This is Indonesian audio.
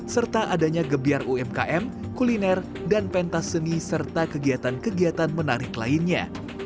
serta adanya gebiar umkm kuliner dan pentas seni serta kegiatan kegiatan menarik lainnya